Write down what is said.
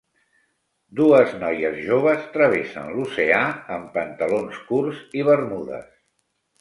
Dues noies joves travessen l'oceà en pantalons curts i bermudes.